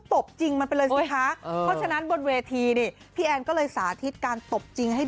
ทุกคนรู้เดี๋ยวนะว่าแอนเล่นจริง